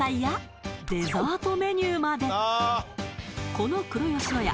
この黒野家